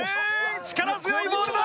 力強いボールだ！